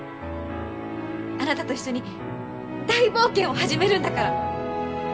あなたと一緒に大冒険を始めるんだから！